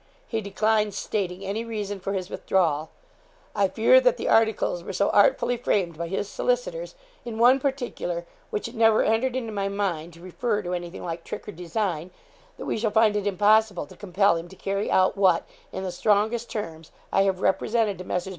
He declines stating any reason for his withdrawal. I fear that the articles were so artfully framed by his solicitors, in one particular which it never entered into my mind to refer to anything like trick or design, that we shall find it impossible to compel him to carry out what, in the strongest terms, I have represented to Messrs.